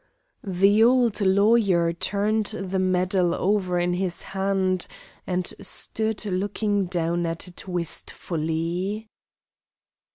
The old lawyer turned the medal over in his hand and stood looking down at it wistfully.